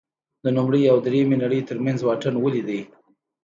د لومړۍ او درېیمې نړۍ ترمنځ واټن ولې دی.